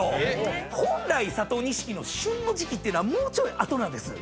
本来佐藤錦の旬の時季ってもうちょい後なんです。